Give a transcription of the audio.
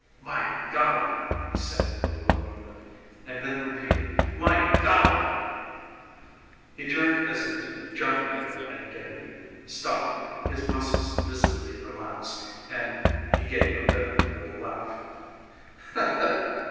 "My golly!" he said in bewilderment, and then repeated: "My GOLLY!" He turned as if to jump again at Gedney, stopped, his muscles visibly relaxed, and he gave a bitter little laugh.